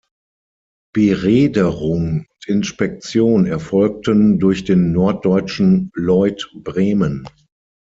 Bereederung und Inspektion erfolgten durch den Norddeutschen Lloyd Bremen.